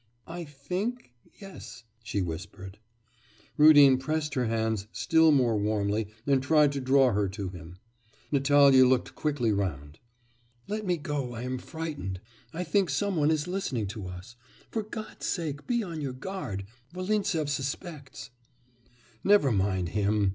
'I think yes,' she whispered. Rudin pressed her hands still more warmly, and tried to draw her to him. Natalya looked quickly round. 'Let me go I am frightened.... I think some one is listening to us.... For God's sake, be on your guard. Volintsev suspects.' 'Never mind him!